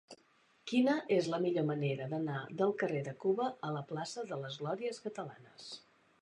Quina és la millor manera d'anar del carrer de Cuba a la plaça de les Glòries Catalanes?